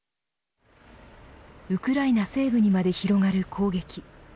ウクライナ西部にまで広がる攻撃。